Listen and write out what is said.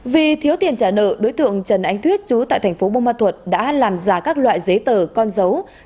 vì thiếu tiền trả nợ đối tượng trần anh thuyết chú tại thành phố bông ma thuột đã làm giả các loại giấy tờ con dấu